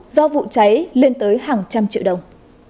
do vụ cháy lên tới hàng trăm triệu đồng